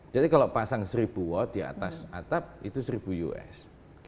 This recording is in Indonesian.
jadi kalau pasang seribu watt di atas atap itu seribu us